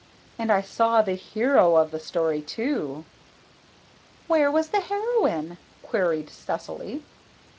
And I saw the hero of the story too." "Where was the heroine?" queried Cecily.